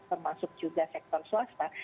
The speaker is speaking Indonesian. termasuk juga sektor swasta